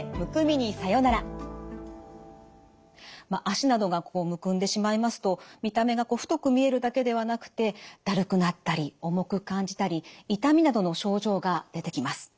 脚などがむくんでしまいますと見た目が太く見えるだけではなくてだるくなったり重く感じたり痛みなどの症状が出てきます。